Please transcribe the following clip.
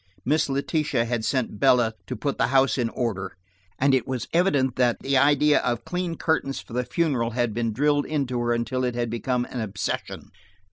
Miss Letitia had sent Bella to put the house in order, and it was evident that the idea of clean curtains for the funeral had been drilled into her until it had become an obsession.